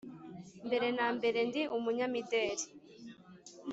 mbere na mbere ndi umunyamideli